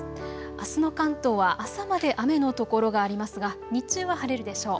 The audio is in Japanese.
あすも関東は朝まで雨の所がありますが日中は晴れるでしょう。